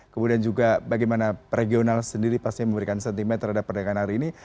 kemudian juga bagaimana regional sendiri pasti memberikan sentimen terhadap perdagangan hari ini